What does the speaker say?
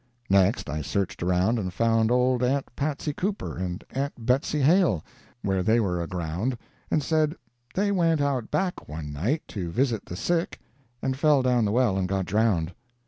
Next I searched around and found old Aunt Patsy Cooper and Aunt Betsy Hale where they were aground, and said "they went out back one night to visit the sick and fell down the well and got drowned."